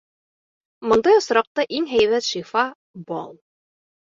Бындай осраҡта иң һәйбәт шифа — бал.